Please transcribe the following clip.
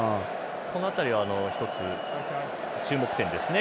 この辺りは一つ、注目点ですね